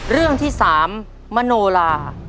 เรื่องที่๓มโนลา